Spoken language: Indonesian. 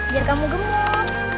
biar kamu gemuk